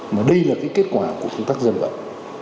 mà đây là cái kết quả của công tác dân vận